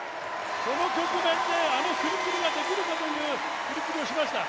この局面であの振り切りができるかという振り切りをしました。